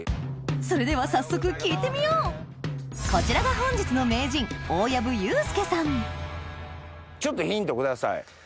それでは早速聞いてみようこちらが本日のちょっとヒントください。